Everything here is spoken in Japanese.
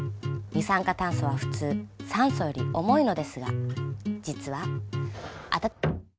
二酸化炭素は普通酸素より重いのですが実はあた。